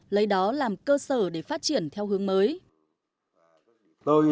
lấy đó làm cơ sở để phát triển theo hướng mới